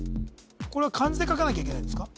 これは漢字で書かなきゃいけないんですか？